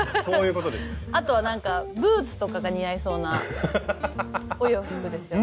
あとはなんかブーツとかが似合いそうなお洋服ですよね。